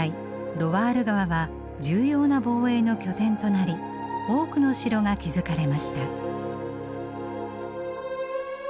ロワール川は重要な防衛の拠点となり多くの城が築かれました。